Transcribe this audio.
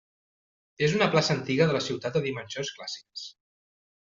És una plaça antiga de la ciutat de dimensions clàssiques.